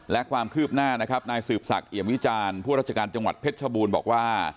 และความคืบหน้านะครับนายสืบศักดิมวิจารณ์ผู้ราชการจังหวัดเพชรชบูรณ์บอกว่า